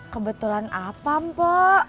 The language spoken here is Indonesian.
kebetulan apa mpo